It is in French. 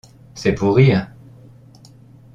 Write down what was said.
C’est pour rire. ..